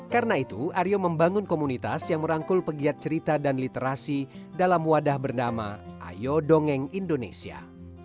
karena itu aryo membangun komunitas yang merangkul pegiat cerita dan literasi dalam wadah bernama ayo dongeng indonesia